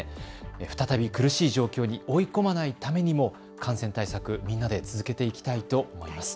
再び苦しい状況に追い込まないためにも感染対策をみんなで続けていきたいと思います。